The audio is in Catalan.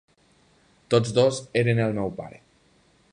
Tots dos eren el meu pare.